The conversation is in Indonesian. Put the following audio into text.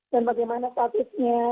dan bagaimana statusnya